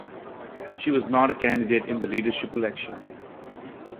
She was not a candidate in the leadership election.